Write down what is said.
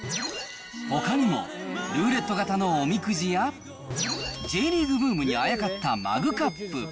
ほかにもルーレット型のおみくじや、Ｊリーグブームにあやかったマグカップ。